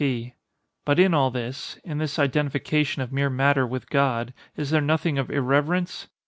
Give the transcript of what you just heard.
P. But in all this—in this identification of mere matter with God—is there nothing of irreverence?